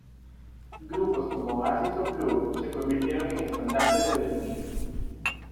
Grupos como Oasis o Blur se convirtieron en estandartes del estilo.